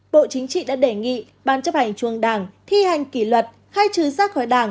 bộ chính trị đã đề nghị ban chấp hành trung đảng thi hành kỷ luật khai trừ ra khỏi đảng